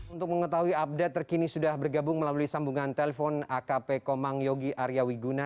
untuk mengetahui update terkini sudah bergabung melalui sambungan telpon akp komang yogi aryawiguna